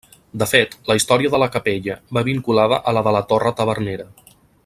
De fet, la història de la Capella va vinculada a la de la Torre Tavernera.